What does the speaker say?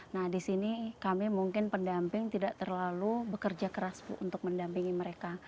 nah di sini kami mungkin pendamping tidak terlalu bekerja keras bu untuk mendampingi mereka